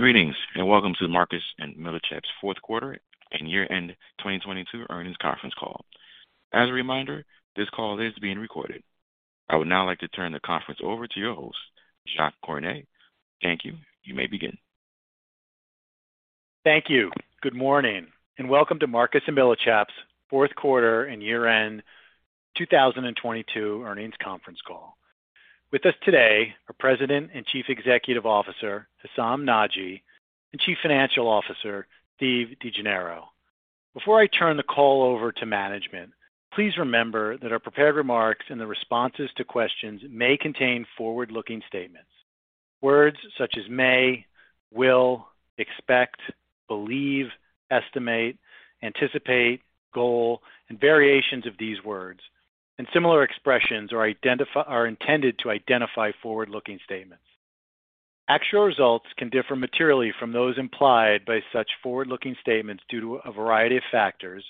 Greetings, and welcome to Marcus & Millichap's fourth quarter and year-end 2022 earnings conference call. As a reminder, this call is being recorded. I would now like to turn the conference over to your host, Jacques Cornet. Thank you. You may begin. Thank you. Good morning, and welcome to Marcus & Millichap's fourth quarter and year-end 2022 earnings conference call. With us today are President and Chief Executive Officer, Hessam Nadji, and Chief Financial Officer, Steve DeGennaro. Before I turn the call over to management, please remember that our prepared remarks and the responses to questions may contain forward-looking statements. Words such as may, will, expect, believe, estimate, anticipate, goal, and variations of these words, and similar expressions are intended to identify forward-looking statements. Actual results can differ materially from those implied by such forward-looking statements due to a variety of factors,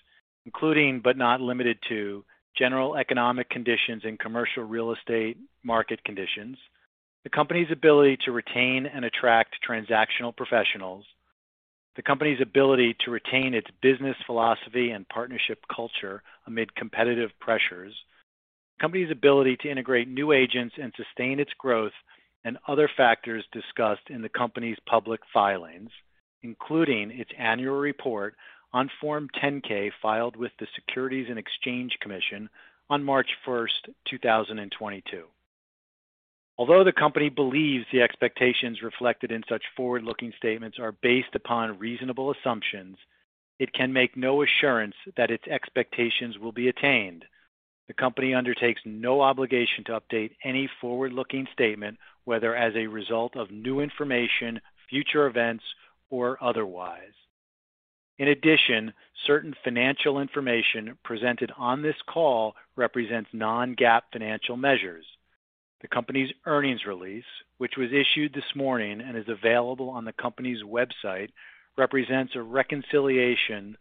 including, but not limited to, general economic conditions and commercial real estate market conditions, the company's ability to retain and attract transactional professionals, the company's ability to retain its business philosophy and partnership culture amid competitive pressures, the company's ability to integrate new agents and sustain its growth, and other factors discussed in the company's public filings, including its annual report on Form 10-K filed with the Securities and Exchange Commission on March first, 2022. Although the company believes the expectations reflected in such forward-looking statements are based upon reasonable assumptions, it can make no assurance that its expectations will be attained. The company undertakes no obligation to update any forward-looking statement, whether as a result of new information, future events, or otherwise. In addition, certain financial information presented on this call represents non-GAAP financial measures. The company's earnings release, which was issued this morning and is available on the company's website, represents a reconciliation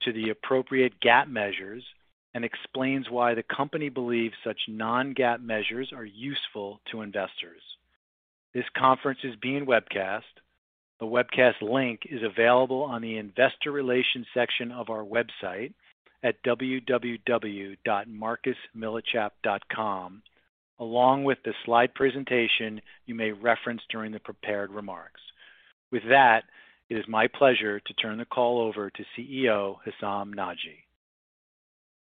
to the appropriate GAAP measures and explains why the company believes such non-GAAP measures are useful to investors. This conference is being webcast. The webcast link is available on the investor relations section of our website at www.marcusmillichap.com along with the slide presentation you may reference during the prepared remarks. With that, it is my pleasure to turn the call over to CEO, Hessam Nadji.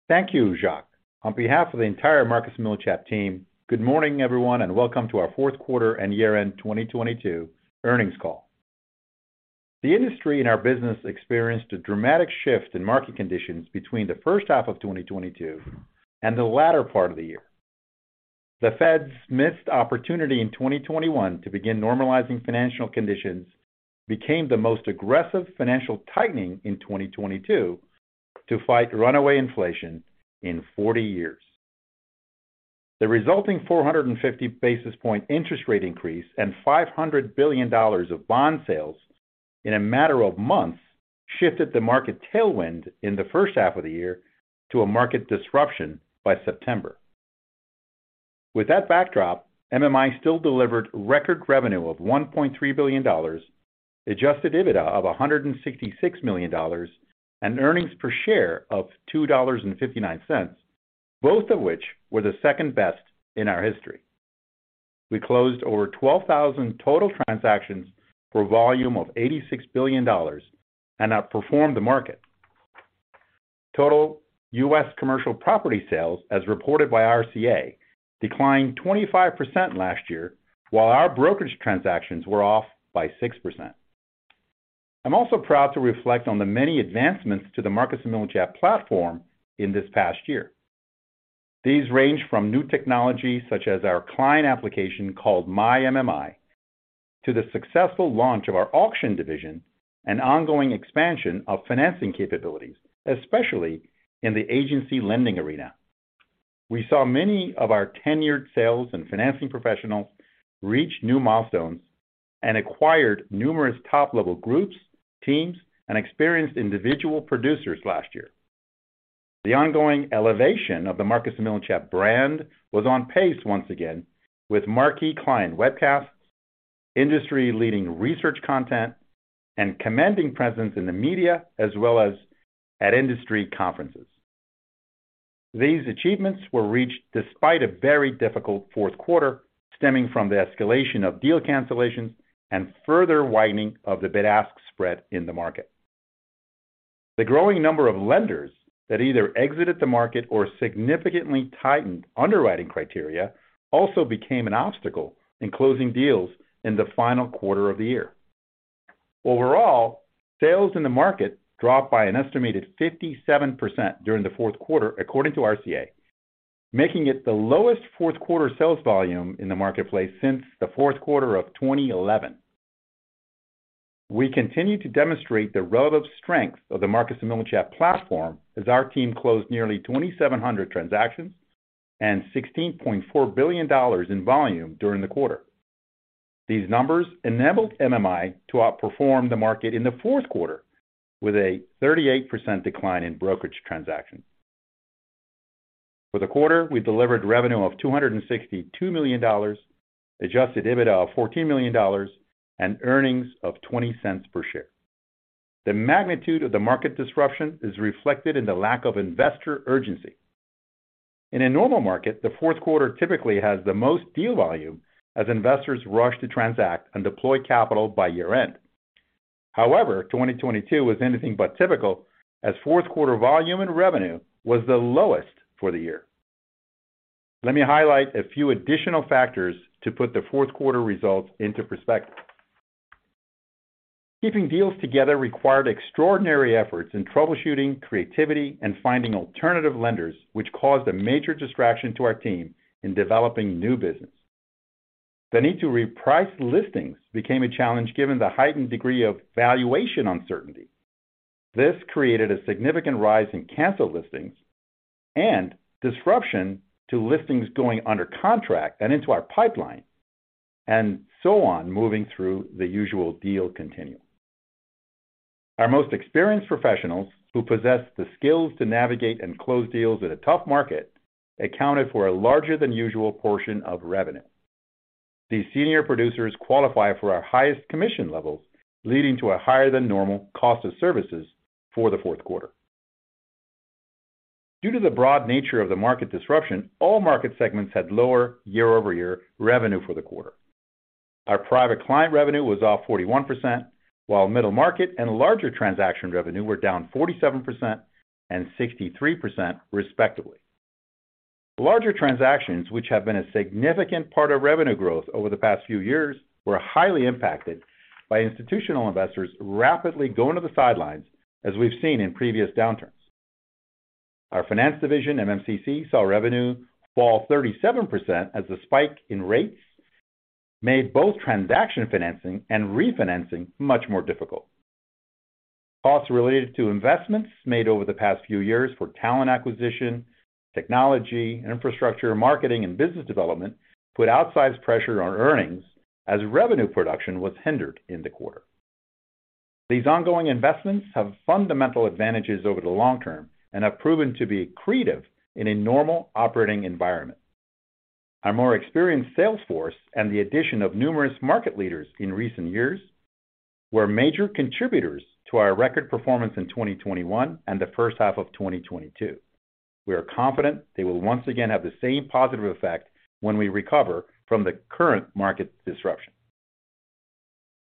Thank you Jacques. On behalf of the entire Marcus & Millichap team, good morning, everyone, and welcome to our fourth quarter and year-end 2022 earnings call. The industry and our business experienced a dramatic shift in market conditions between the first half of 2022 and the latter part of the year. The Fed's missed opportunity in 2021 to begin normalizing financial conditions became the most aggressive financial tightening in 2022 to fight runaway inflation in 40 years. The resulting 450 basis point interest rate increase and $500 billion of bond sales in a matter of months shifted the market tailwind in the first half of the year to a market disruption by September. With that backdrop, MMI still delivered record revenue of $1.3 billion, Adjusted EBITDA of $166 million, and EPS of $2.59, both of which were the second best in our history. We closed over 12,000 total transactions for a volume of $86 billion and outperformed the market. Total U.S. commercial property sales, as reported by RCA, declined 25% last year, while our brokerage transactions were off by 6%. I'm also proud to reflect on the many advancements to the Marcus & Millichap platform in this past year. These range from new technology, such as our client application called MyMMI, to the successful launch of our auction division and ongoing expansion of financing capabilities, especially in the agency lending arena. We saw many of our tenured sales and financing professionals reach new milestones and acquired numerous top-level groups, teams, and experienced individual producers last year. The ongoing elevation of the Marcus & Millichap brand was on pace once again with marquee client webcasts, industry-leading research content, and commanding presence in the media, as well as at industry conferences. These achievements were reached despite a very difficult Q4, stemming from the escalation of deal cancellations and further widening of the bid-ask spread in the market. The growing number of lenders that either exited the market or significantly tightened underwriting criteria also became an obstacle in closing deals in the final quarter of the year. Overall, sales in the market dropped by an estimated 57% during the Q4, according to RCA, making it the lowest Q4 sales volume in the marketplace since the Q4 of 2011. We continue to demonstrate the relative strength of the Marcus & Millichap platform as our team closed nearly 2,700 transactions and $16.4 billion in volume during the quarter. These numbers enabled MMI to outperform the market in the fourth quarter with a 38% decline in brokerage transactions. For the quarter, we delivered revenue of $262 million, Adjusted EBITDA of $14 million, and earnings of $0.20 per share. The magnitude of the market disruption is reflected in the lack of investor urgency. In a normal market, the fourth quarter typically has the most deal volume as investors rush to transact and deploy capital by year-end. However, 2022 was anything but typical as fourth-quarter volume and revenue was the lowest for the year. Let me highlight a few additional factors to put the fourth quarter results into perspective. Keeping deals together required extraordinary efforts in troubleshooting, creativity, and finding alternative lenders, which caused a major distraction to our team in developing new business. The need to reprice listings became a challenge given the heightened degree of valuation uncertainty. This created a significant rise in canceled listings and disruption to listings going under contract and into our pipeline, and so on moving through the usual deal continuum. Our most experienced professionals, who possess the skills to navigate and close deals in a tough market, accounted for a larger than usual portion of revenue. These senior producers qualify for our highest commission levels, leading to a higher than normal cost of services for the fourth quarter. Due to the broad nature of the market disruption, all market segments had lower year-over-year revenue for the quarter. Our private client revenue was off 41%, while middle market and larger transaction revenue were down 47% and 63% respectively. Larger transactions, which have been a significant part of revenue growth over the past few years, were highly impacted by institutional investors rapidly going to the sidelines, as we've seen in previous downturns. Our finance division, MMCC, saw revenue fall 37% as the spike in rates made both transaction financing and refinancing much more difficult. Costs related to investments made over the past few years for talent acquisition, technology, infrastructure, marketing, and business development put outsized pressure on earnings as revenue production was hindered in the quarter. These ongoing investments have fundamental advantages over the long term and have proven to be accretive in a normal operating environment. Our more experienced sales force and the addition of numerous market leaders in recent years were major contributors to our record performance in 2021 and the first half of 2022. We are confident they will once again have the same positive effect when we recover from the current market disruption.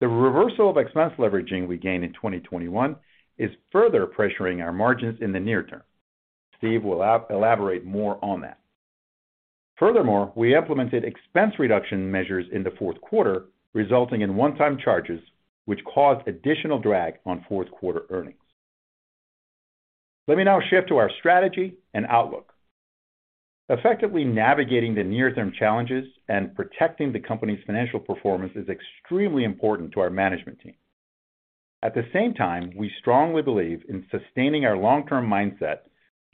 The reversal of expense leveraging we gained in 2021 is further pressuring our margins in the near term. Steve will elaborate more on that. We implemented expense reduction measures in the fourth quarter, resulting in one-time charges which caused additional drag on fourth-quarter earnings. Let me now shift to our strategy and outlook. Effectively navigating the near-term challenges and protecting the company's financial performance is extremely important to our management team. We strongly believe in sustaining our long-term mindset,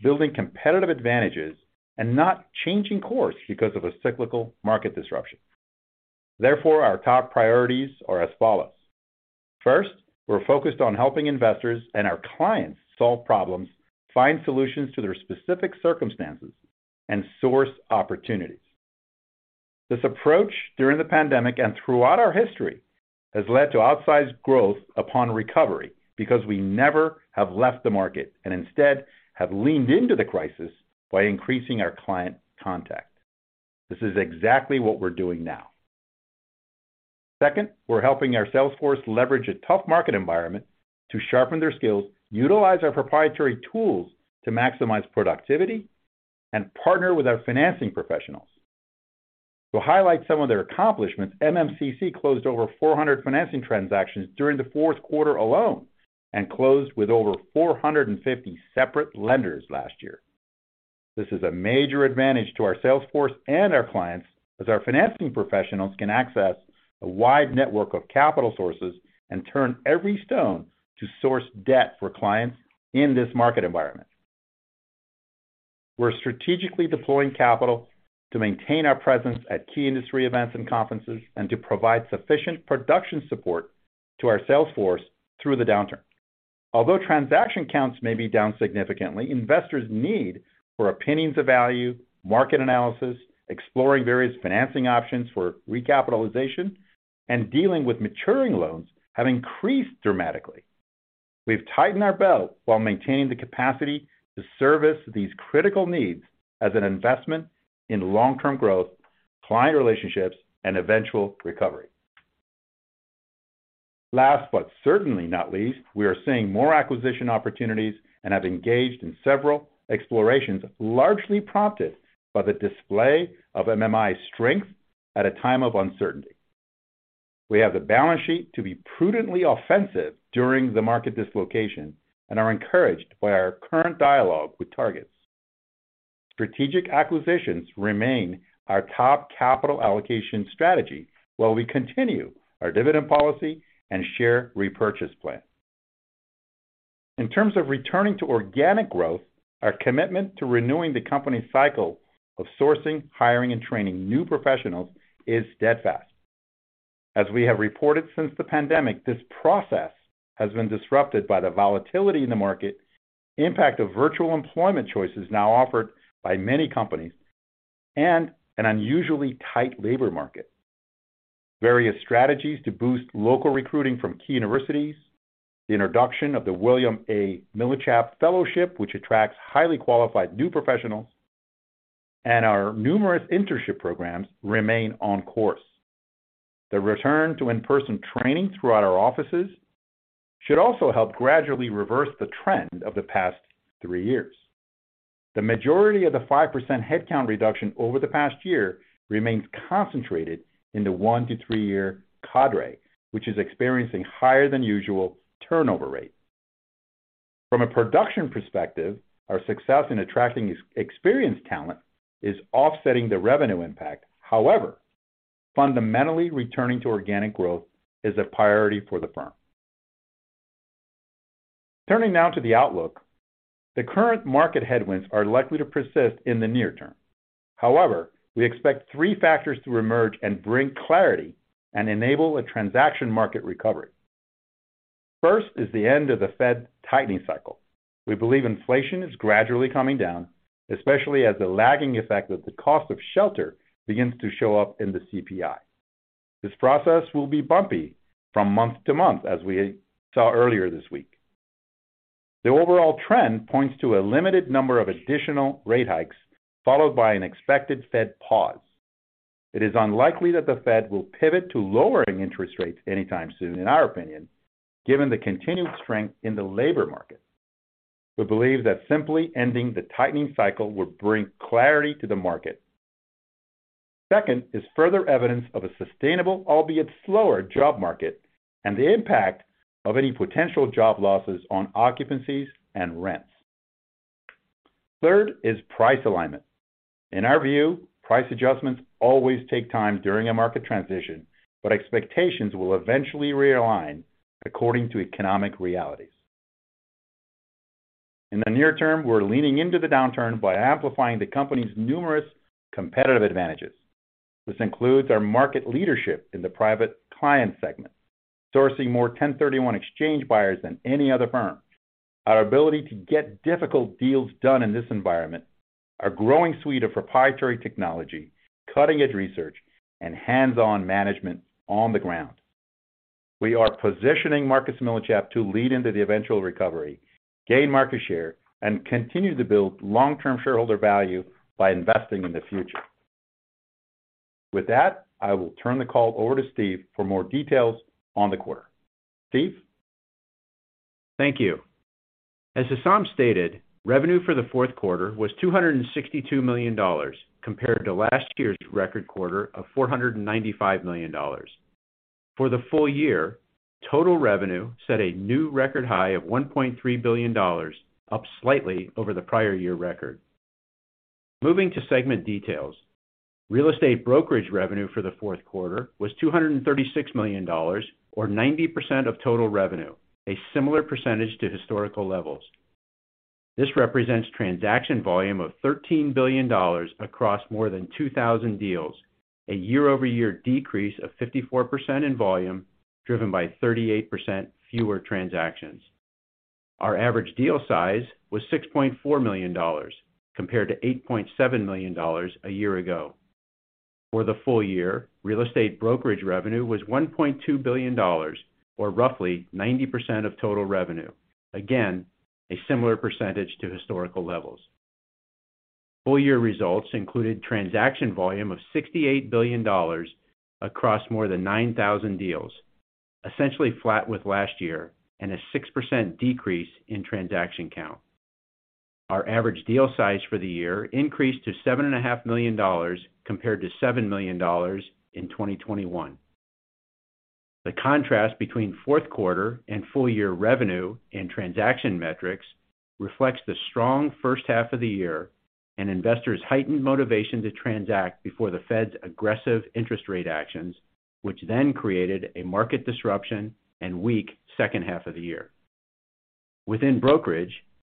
building competitive advantages, and not changing course because of a cyclical market disruption. Therefore, our top priorities are as follows. First, we're focused on helping investors and our clients solve problems, find solutions to their specific circumstances, and source opportunities. This approach during the pandemic and throughout our history has led to outsized growth upon recovery because we never have left the market and instead have leaned into the crisis by increasing our client contact. This is exactly what we're doing now. Second, we're helping our sales force leverage a tough market environment to sharpen their skills, utilize our proprietary tools to maximize productivity, and partner with our financing professionals. To highlight some of their accomplishments, MMCC closed over 400 financing transactions during the fourth quarter alone and closed with over 450 separate lenders last year. This is a major advantage to our sales force and our clients as our financing professionals can access a wide network of capital sources and turn every stone to source debt for clients in this market environment. We're strategically deploying capital to maintain our presence at key industry events and conferences and to provide sufficient production support to our sales force through the downturn. Although transaction counts may be down significantly, investors' need for opinions of value, market analysis, exploring various financing options for recapitalization, and dealing with maturing loans have increased dramatically. We've tightened our belt while maintaining the capacity to service these critical needs as an investment in long-term growth, client relationships, and eventual recovery. Last, but certainly not least, we are seeing more acquisition opportunities and have engaged in several explorations, largely prompted by the display of MMI's strength at a time of uncertainty. We have the balance sheet to be prudently offensive during the market dislocation and are encouraged by our current dialogue with targets. Strategic acquisitions remain our top capital allocation strategy while we continue our dividend policy and share repurchase plan. In terms of returning to organic growth, our commitment to renewing the company's cycle of sourcing, hiring, and training new professionals is steadfast. As we have reported since the pandemic, this process has been disrupted by the volatility in the market, impact of virtual employment choices now offered by many companies, and an unusually tight labor market. Various strategies to boost local recruiting from key universities, the introduction of the William A. Millichap Fellowship, which attracts highly qualified new professionals, and our numerous internship programs remain on course. The return to in-person training throughout our offices should also help gradually reverse the trend of the past three years. The majority of the 5% headcount reduction over the past year remains concentrated in the one-to-three-year cadre, which is experiencing higher than usual turnover rate. From a production perspective, our success in attracting ex-experienced talent is offsetting the revenue impact. Fundamentally returning to organic growth is a priority for the firm. Turning now to the outlook. The current market headwinds are likely to persist in the near term. We expect 3 factors to emerge and bring clarity and enable a transaction market recovery. First is the end of the Fed tightening cycle. We believe inflation is gradually coming down, especially as the lagging effect of the cost of shelter begins to show up in the CPI. This process will be bumpy from month to month, as we saw earlier this week. The overall trend points to a limited number of additional rate hikes, followed by an expected Fed pause. It is unlikely that the Fed will pivot to lowering interest rates anytime soon, in our opinion, given the continued strength in the labor market. We believe that simply ending the tightening cycle would bring clarity to the market. Second is further evidence of a sustainable, albeit slower job market, and the impact of any potential job losses on occupancies and rents. Third is price alignment. In our view, price adjustments always take time during a market transition, but expectations will eventually realign according to economic realities. In the near term, we're leaning into the downturn by amplifying the company's numerous competitive advantages. This includes our market leadership in the private client segment, sourcing more 1031 exchange buyers than any other firm. Our ability to get difficult deals done in this environment, our growing suite of proprietary technology, cutting-edge research, and hands-on management on the ground. We are positioning Marcus & Millichap to lead into the eventual recovery, gain market share, and continue to build long-term shareholder value by investing in the future. With that, I will turn the call over to Steve for more details on the quarter. Steve. Thank you. As Hessam stated, revenue for the fourth quarter was $262 million compared to last year's record quarter of $495 million. For the full year, total revenue set a new record high of $1.3 billion, up slightly over the prior year record. Moving to segment details. Real estate brokerage revenue for the fourth quarter was $236 million or 90% of total revenue, a similar percentage to historical levels. This represents transaction volume of $13 billion across more than 2,000 deals, a year-over-year decrease of 54% in volume, driven by 38% fewer transactions. Our average deal size was $6.4 million compared to $8.7 million a year ago. For the full year, real estate brokerage revenue was $1.2 billion or roughly 90% of total revenue. A similar percentage to historical levels. Full year results included transaction volume of $68 billion across more than 9,000 deals, essentially flat with last year and a 6% decrease in transaction count. Our average deal size for the year increased to seven and a half million dollars compared to $7 million in 2021. The contrast between fourth quarter and full year revenue and transaction metrics reflects the strong first half of the year and investors heightened motivation to transact before the Fed's aggressive interest rate actions, which then created a market disruption and weak second half of the year. Within brokerage,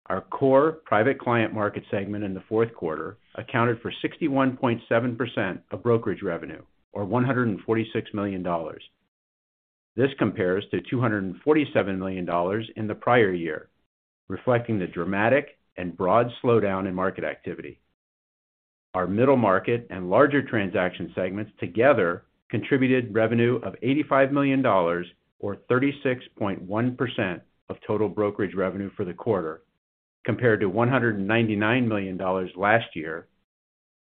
our core private client market segment in the fourth quarter accounted for 61.7% of brokerage revenue or $146 million. This compares to $247 million in the prior year, reflecting the dramatic and broad slowdown in market activity. Our middle market and larger transaction segments together contributed revenue of $85 million or 36.1% of total brokerage revenue for the quarter, compared to $199 million last year,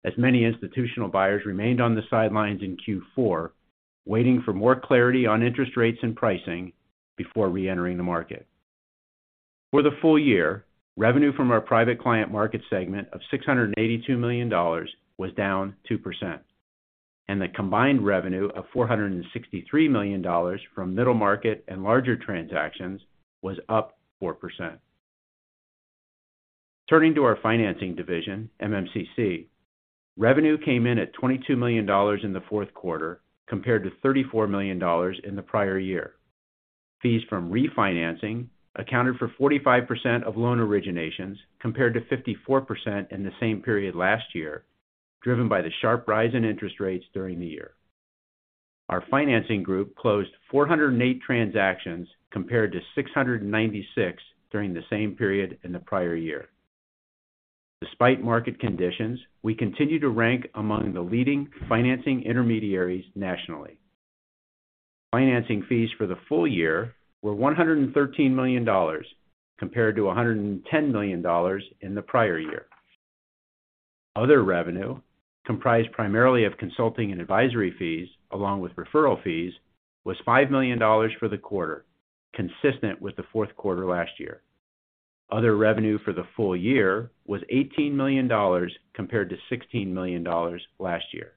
as many institutional buyers remained on the sidelines in Q4, waiting for more clarity on interest rates and pricing before re-entering the market. For the full year, revenue from our private client market segment of $682 million was down 2%. The combined revenue of $463 million from middle market and larger transactions was up 4%. Turning to our financing division, MMCC, revenue came in at $22 million in the fourth quarter compared to $34 million in the prior year. Fees from refinancing accounted for 45% of loan originations compared to 54% in the same period last year, driven by the sharp rise in interest rates during the year. Our financing group closed 408 transactions compared to 696 during the same period in the prior year. Despite market conditions, we continue to rank among the leading financing intermediaries nationally. Financing fees for the full year were $113 million compared to $110 million in the prior year. Other revenue, comprised primarily of consulting and advisory fees, along with referral fees, was $5 million for the quarter, consistent with the fourth quarter last year. Other revenue for the full year was $18 million compared to $16 million last year.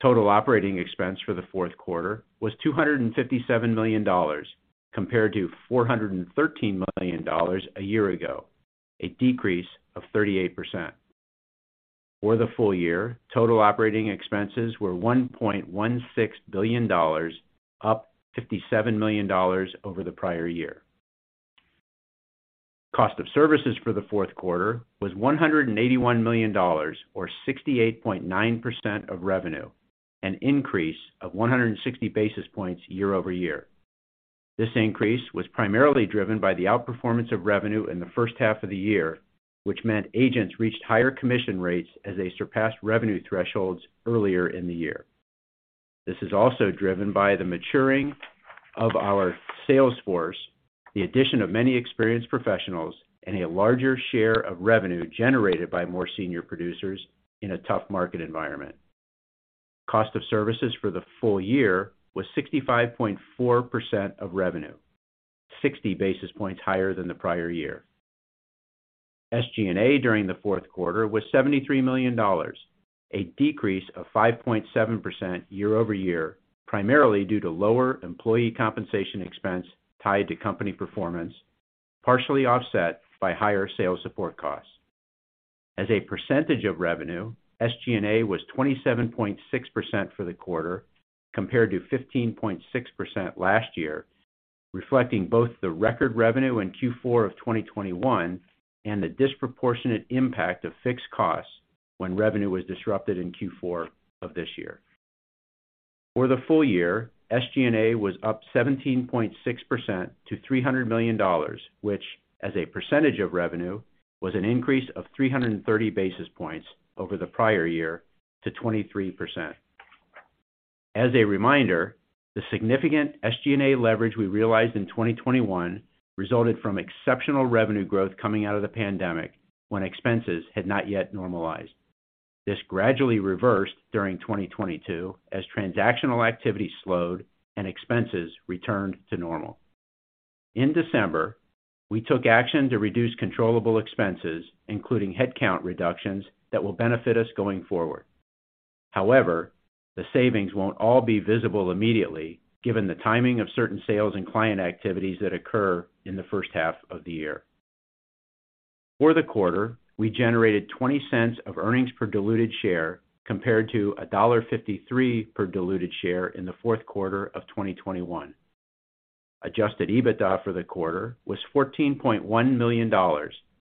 Total operating expense for the fourth quarter was $257 million compared to $413 million a year ago, a decrease of 38%. For the full year, total operating expenses were $1.16 billion, up $57 million over the prior year. Cost of services for the fourth quarter was $181 million or 68.9% of revenue, an increase of 160 basis points year-over-year. This increase was primarily driven by the outperformance of revenue in the first half of the year, which meant agents reached higher commission rates as they surpassed revenue thresholds earlier in the year. This is also driven by the maturing of our sales force, the addition of many experienced professionals, and a larger share of revenue generated by more senior producers in a tough market environment. Cost of services for the full year was 65.4% of revenue, 60 basis points higher than the prior year. SG&A during the fourth quarter was $73 million, a decrease of 5.7% year-over-year, primarily due to lower employee compensation expense tied to company performance, partially offset by higher sales support costs. As a percentage of revenue, SG&A was 27.6% for the quarter compared to 15.6% last year, reflecting both the record revenue in Q4 of 2021 and the disproportionate impact of fixed costs when revenue was disrupted in Q4 of this year. For the full year, SG&A was up 17.6% to $300 million, which, as a percentage of revenue, was an increase of 330 basis points over the prior year to 23%. As a reminder, the significant SG&A leverage we realized in 2021 resulted from exceptional revenue growth coming out of the pandemic when expenses had not yet normalized. This gradually reversed during 2022 as transactional activity slowed and expenses returned to normal. In December, we took action to reduce controllable expenses, including headcount reductions that will benefit us going forward. However, the savings won't all be visible immediately, given the timing of certain sales and client activities that occur in the first half of the year. For the quarter, we generated $0.20 of earnings per diluted share compared to $1.53 per diluted share in the fourth quarter of 2021. Adjusted EBITDA for the quarter was $14.1 million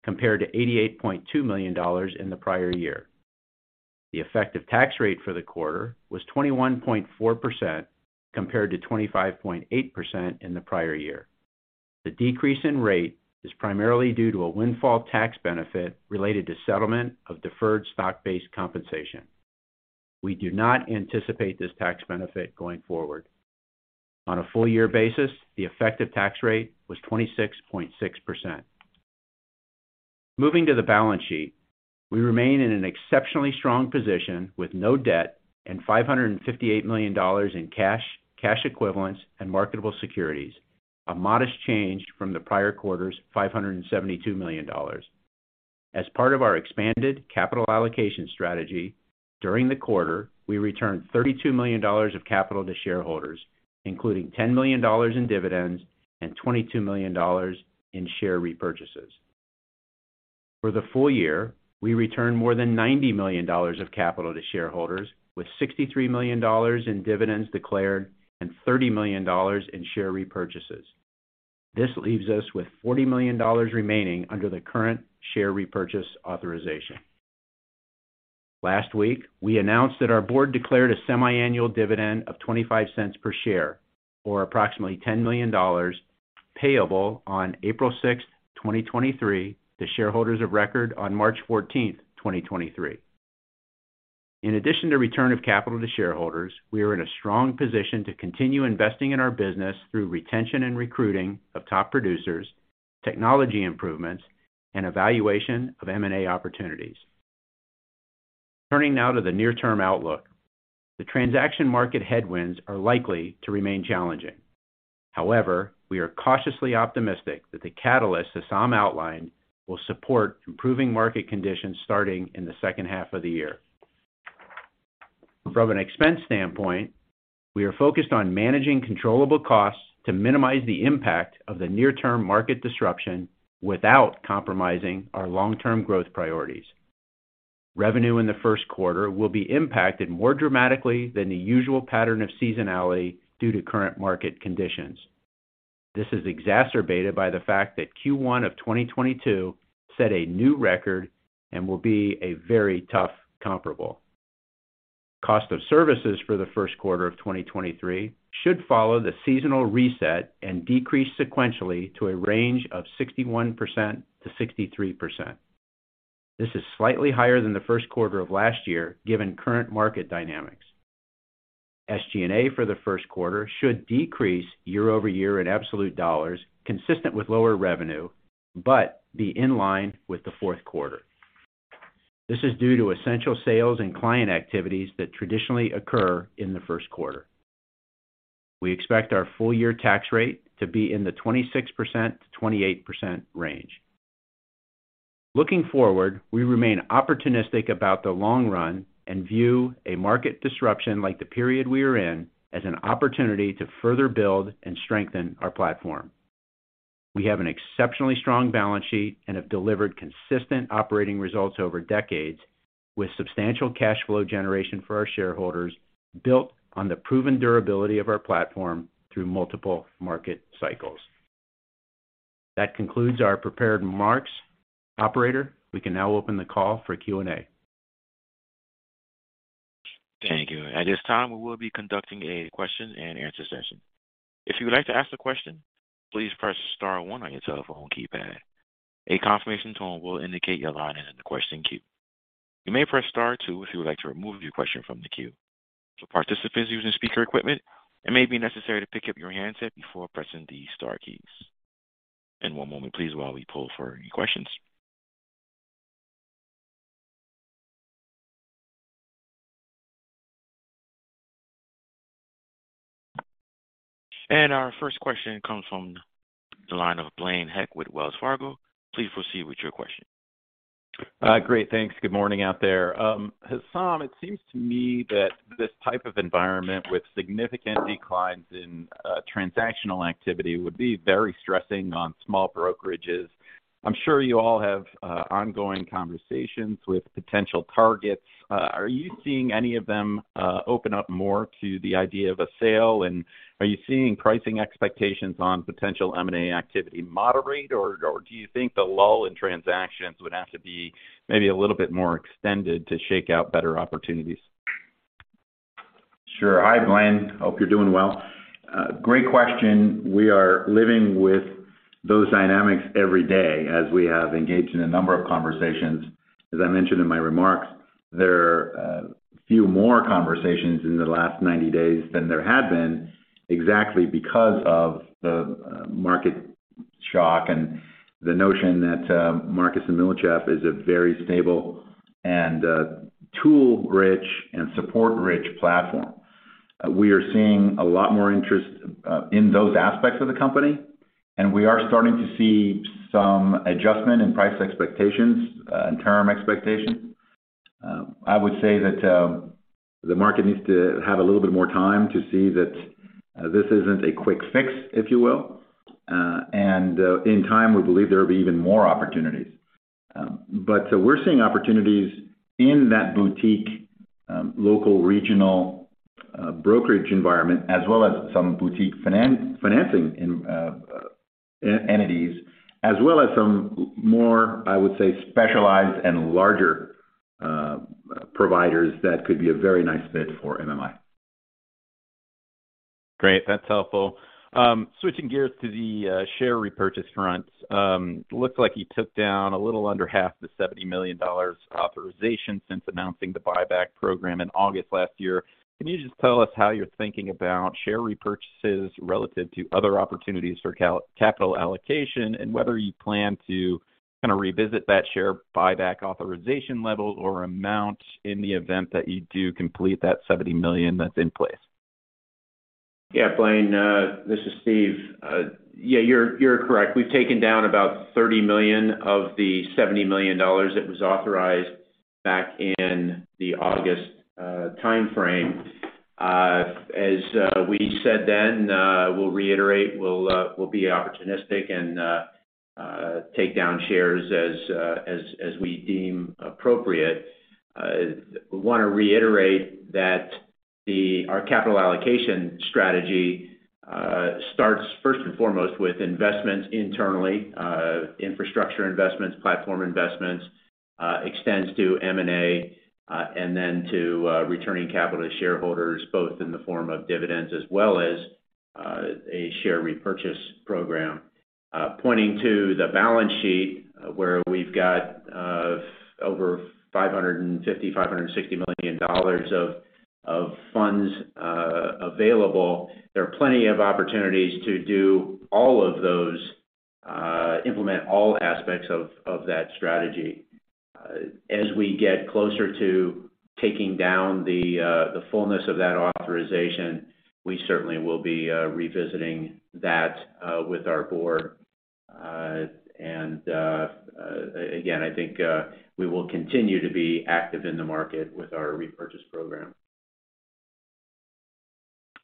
compared to $88.2 million in the prior year. The effective tax rate for the quarter was 21.4% compared to 25.8% in the prior year. The decrease in rate is primarily due to a windfall tax benefit related to settlement of deferred stock-based compensation. We do not anticipate this tax benefit going forward. On a full year basis, the effective tax rate was 26.6%. Moving to the balance sheet, we remain in an exceptionally strong position with no debt and $558 million in cash equivalents, and marketable securities, a modest change from the prior quarter's $572 million. As part of our expanded capital allocation strategy, during the quarter, we returned $32 million of capital to shareholders, including $10 million in dividends and $22 million in share repurchases. For the full year, we returned more than $90 million of capital to shareholders with $63 million in dividends declared and $30 million in share repurchases. This leaves us with $40 million remaining under the current share repurchase authorization. Last week, we announced that our board declared a semiannual dividend of $0.25 per share, or approximately $10 million payable on April 6, 2023, to shareholders of record on March 14, 2023. In addition to return of capital to shareholders, we are in a strong position to continue investing in our business through retention and recruiting of top producers, technology improvements, and evaluation of M&A opportunities. Turning now to the near-term outlook. The transaction market headwinds are likely to remain challenging. We are cautiously optimistic that the catalyst, as Sam outlined, will support improving market conditions starting in the second half of the year. From an expense standpoint, we are focused on managing controllable costs to minimize the impact of the near-term market disruption without compromising our long-term growth priorities. Revenue in the first quarter will be impacted more dramatically than the usual pattern of seasonality due to current market conditions. This is exacerbated by the fact that Q1 of 2022 set a new record and will be a very tough comparable. Cost of services for the first quarter of 2023 should follow the seasonal reset and decrease sequentially to a range of 61%-63%. This is slightly higher than the first quarter of last year, given current market dynamics. SG&A for the first quarter should decrease year-over-year in absolute dollars consistent with lower revenue, but be in line with the fourth quarter. This is due to essential sales and client activities that traditionally occur in the first quarter. We expect our full year tax rate to be in the 26%-28% range. Looking forward, we remain opportunistic about the long run and view a market disruption like the period we are in as an opportunity to further build and strengthen our platform. We have an exceptionally strong balance sheet and have delivered consistent operating results over decades with substantial cash flow generation for our shareholders, built on the proven durability of our platform through multiple market cycles. That concludes our prepared remarks. Operator, we can now open the call for Q&A. Thank you. At this time, we will be conducting a question and answer session. If you would like to ask a question, please press star one on your telephone keypad. A confirmation tone will indicate your line is in the question queue. You may press star two if you would like to remove your question from the queue. For participants using speaker equipment, it may be necessary to pick up your handset before pressing the star keys. One moment please while we pull for any questions. Our first question comes from the line of Blaine Heck with Wells Fargo. Please proceed with your question. Great thanks. Good morning out there. Hessam, it seems to me that this type of environment with significant declines in transactional activity would be very stressing on small brokerages. I'm sure you all have ongoing conversations with potential targets. Are you seeing any of them open up more to the idea of a sale? Are you seeing pricing expectations on potential M&A activity moderate, or do you think the lull in transactions would have to be maybe a little bit more extended to shake out better opportunities? Sure. Hi Blaine. Hope you're doing well. Great question. We are living with those dynamics every day as we have engaged in a number of conversations. As I mentioned in my remarks, there are few more conversations in the last 90 days than there had been exactly because of the market shock and the notion that Marcus & Millichap is a very stable and tool-rich and support-rich platform. We are seeing a lot more interest in those aspects of the company, and we are starting to see some adjustment in price expectations and term expectations. I would say that the market needs to have a little bit more time to see that this isn't a quick fix, if you will, and in time, we believe there will be even more opportunities. We're seeing opportunities in that boutique, local, regional, brokerage environment as well as some boutique financing, entities, as well as some more, I would say, specialized and larger, providers that could be a very nice fit for MMI. Great. That's helpful. Switching gears to the share repurchase front. Looks like you took down a little under half the $70 million authorization since announcing the buyback program in August last year. Can you just tell us how you're thinking about share repurchases relative to other opportunities for capital allocation and whether you plan to kinda revisit that share buyback authorization level or amount in the event that you do complete that $70 million that's in place? Blaine, this is Steve. You're correct. We've taken down about $30 million of the $70 million dollars that was authorized back in the August timeframe. As we said then, we'll reiterate, we'll be opportunistic and take down shares as we deem appropriate. Wanna reiterate that our capital allocation strategy starts first and foremost with investments internally, infrastructure investments, platform investments, extends to M&A, and then to returning capital to shareholders, both in the form of dividends as well as a share repurchase program. Pointing to the balance sheet, where we've got over $550 million-$560 million of funds available, there are plenty of opportunities to do all of those, implement all aspects of that strategy. As we get closer to taking down the fullness of that authorization, we certainly will be revisiting that with our board. Again, I think we will continue to be active in the market with our repurchase program.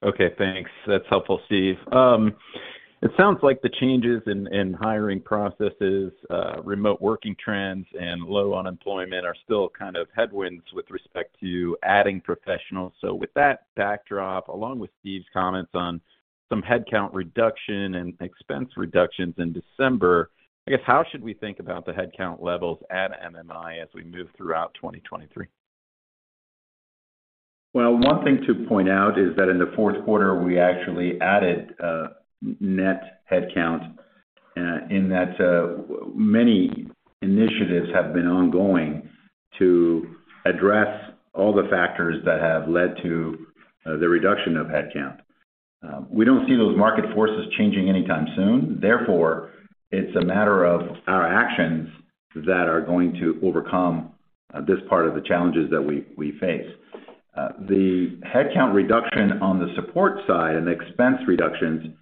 Okay thanks. That's helpful Steve. It sounds like the changes in hiring processes, remote working trends, and low unemployment are still kind of headwinds with respect to adding professionals. With that backdrop, along with Steve's comments on some head count reduction and expense reductions in December, I guess, how should we think about the head count levels at MMI as we move throughout 2023? One thing to point out is that in the fourth quarter, we actually added, net head count, in that, many initiatives have been ongoing to address all the factors that have led to, the reduction of head count. We don't see those market forces changing anytime soon, therefore, it's a matter of our actions that are going to overcome, this part of the challenges that we face. The head count reduction on the support side and the expense reductions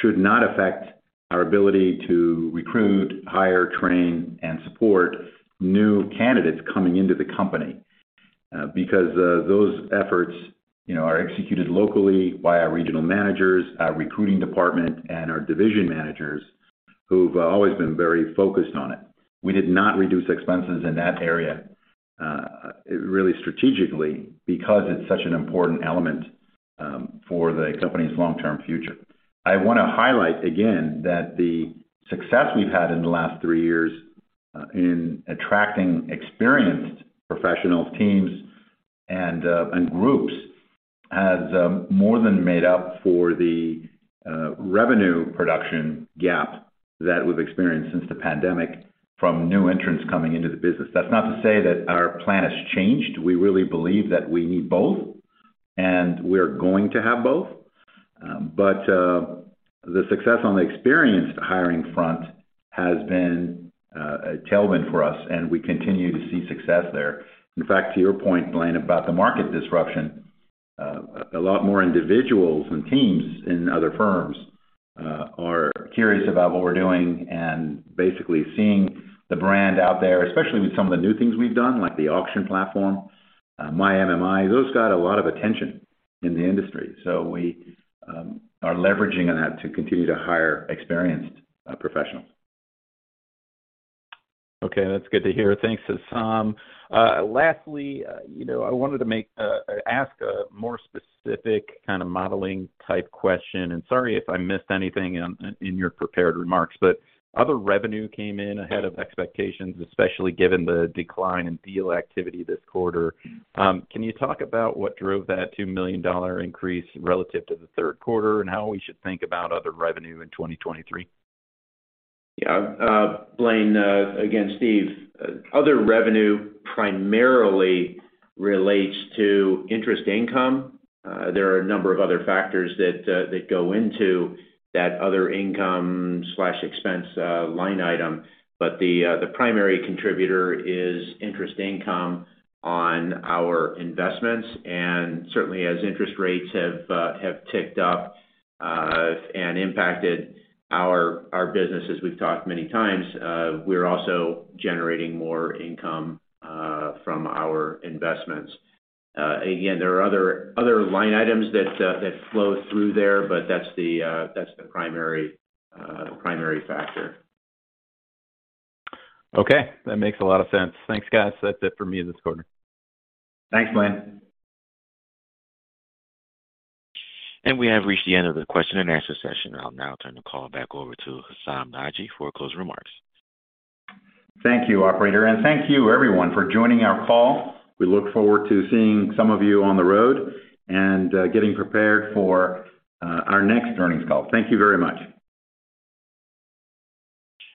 should not affect our ability to recruit, hire, train, and support new candidates coming into the company, because, those efforts, you know, are executed locally by our regional managers, our recruiting department, and our division managers who've always been very focused on it. We did not reduce expenses in that area, really strategically because it's such an important element for the company's long-term future. I wanna highlight again that the success we've had in the last three years, in attracting experienced professionals, teams, and groups has more than made up for the revenue production gap that we've experienced since the pandemic from new entrants coming into the business. That's not to say that our plan has changed. We really believe that we need both, and we're going to have both. The success on the experienced hiring front has been a tailwind for us, and we continue to see success there. In fact, to your point Blaine, about the market disruption, a lot more individuals and teams in other firms, are curious about what we're doing and basically seeing the brand out there, especially with some of the new things we've done, like the auction platform, MyMMI. Those got a lot of attention in the industry. We are leveraging that to continue to hire experienced professionals. Okay, that's good to hear. Thanks Hessam. Lastly, you know, I wanted to ask a more specific kind of modeling type question. Sorry if I missed anything in your prepared remarks, but other revenue came in ahead of expectations, especially given the decline in deal activity this quarter. Can you talk about what drove that $2 million increase relative to the third quarter and how we should think about other revenue in 2023? Blaine, again Steve. Other revenue primarily relates to interest income. There are a number of other factors that go into that other income/expense line item. The primary contributor is interest income on our investments. Certainly as interest rates have ticked up and impacted our business, as we've talked many times, we're also generating more income from our investments. Again, there are other line items that flow through there, that's the primary factor. Okay. That makes a lot of sense. Thanks guys. That's it for me this quarter. Thanks Blaine. We have reached the end of the question and answer session. I'll now turn the call back over to Hessam Nadji for closing remarks. Thank you operator. Thank you everyone for joining our call. We look forward to seeing some of you on the road and getting prepared for our next earnings call. Thank you very much.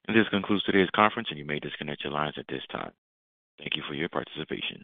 This concludes today's conference, and you may disconnect your lines at this time. Thank you for your participation.